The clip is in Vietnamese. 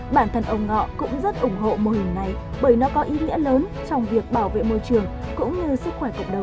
bản thân ông ngọ cũng rất ủng hộ mô hình này bởi nó có ý nghĩa lớn trong việc bảo vệ môi trường cũng như sức khỏe cộng đồng